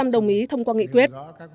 một trăm linh đồng ý thông qua nghị quyết